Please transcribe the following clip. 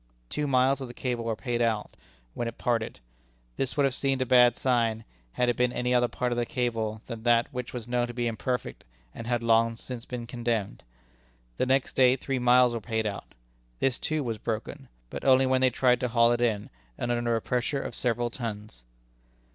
Two miles of the cable were paid out, when it parted. This would have seemed a bad sign, had it been any other part of the cable than that which was known to be imperfect and had long since been condemned. The next day three miles were paid out. This, too, was broken, but only when they tried to haul it in, and under a pressure of several tons.